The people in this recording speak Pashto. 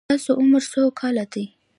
ستاسو عمر څو کاله دی؟